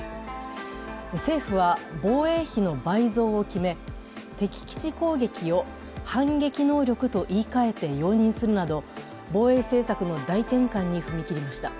政府は防衛費の倍増を決め、敵基地攻撃を反撃能力と言い換えて、容認するなど防衛政策の大転換に踏み切りました。